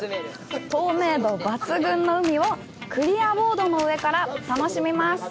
透明度抜群の海をクリアボードの上から楽しみます。